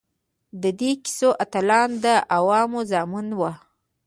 د دې کیسو اتلان د عوامو زامن وو.